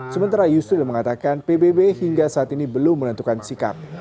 sementara yusril mengatakan pbb hingga saat ini belum menentukan sikap